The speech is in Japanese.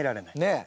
ねえ。